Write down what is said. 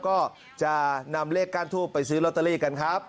ก็จะนำเลขก้านทูบไปซื้อลอตเตอรี่กันครับ